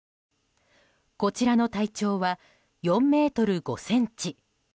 こちらの体長は４ｍ５ｃｍ。